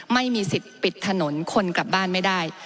ไม่มีสิทธิ์ปิดถนนคนกลับบ้านไม่ได้